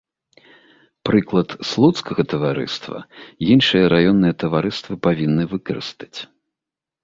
Прыклад слуцкага таварыства іншыя раённыя таварыствы павінны выкарыстаць.